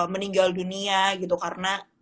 meninggal dunia gitu karena